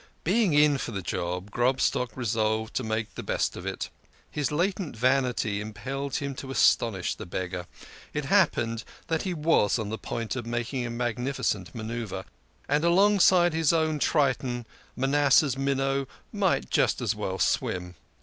Being in for the job, Grobstock resolved to make the best of it. His latent vanity impelled him to astonish the Beggar. It happened that he was on the point of a mag nificent manoeuvre, and alongside his own triton Manasseh's minnow might just as well swim.